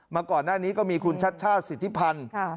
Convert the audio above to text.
มาก่อนหน้านี้ก็มีคุณชัชชาติสิทธิพันธ์